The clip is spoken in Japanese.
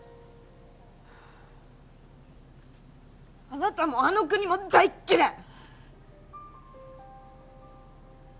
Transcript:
あなたもあの国も大っ嫌い！